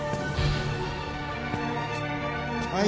はい